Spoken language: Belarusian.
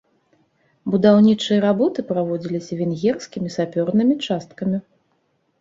Будаўнічыя работы праводзіліся венгерскімі сапёрнымі часткамі.